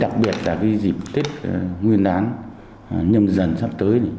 đặc biệt là cái dịp tết nguyên đán nhâm dần sắp tới